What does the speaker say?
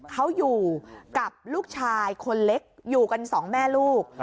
เขาอยู่กับลูกชายคนเล็กอยู่กันสองแม่ลูก